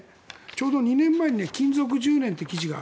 ちょうど２年前に勤続１０年という記事が。